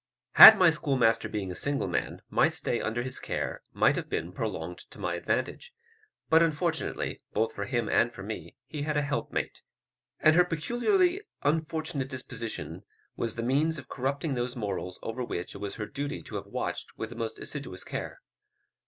Had my schoolmaster being a single man, my stay under his care might have been prolonged to my advantage; but unfortunately, both for him and for me, he had a helpmate, and her peculiarly unfortunate disposition was the means of corrupting those morals over which it was her duty to have watched with the most assiduous care.